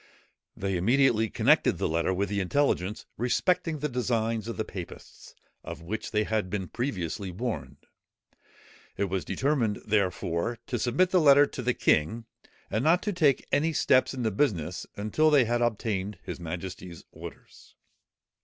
They immediately connected the letter with the intelligence respecting the designs of the papists, of which they had been previously warned. It was determined, therefore, to submit the letter to the king, and not to take any steps in the business until they had obtained his majesty's orders.